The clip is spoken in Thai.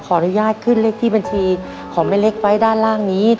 อนุญาตขึ้นเลขที่บัญชีของแม่เล็กไว้ด้านล่างนี้